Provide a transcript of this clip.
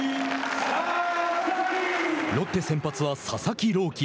ロッテ先発は佐々木朗希。